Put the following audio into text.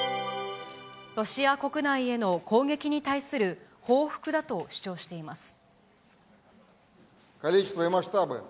ロシア国内への攻撃に対する報復だと主張しています。